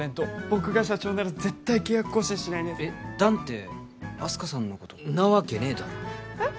僕が社長なら絶対契約更新しないねえっ弾ってあす花さんのことんなわけねえだろえっ？